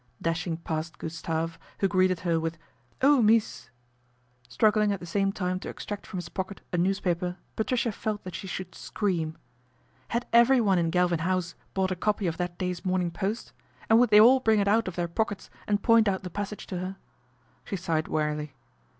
Dashing past Gustave, who greeted her with " Oh, mees !" struggling at the same time to extract from his pocket a newspaper Patricia felt that she should scream Had every one in Galvin House bought a copy of that day's Morning Post, and would they all bring it out of their pockets and point out the passage to her ? She sighed wearily.